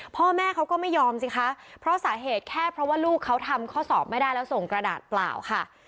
พ่อแม่เขาก็ไม่ยอมสิคะเพราะสาเหตุแค่เพราะว่าลูกเขาทำข้อสอบไม่ได้แล้วส่งกระดาษเปล่าค่ะ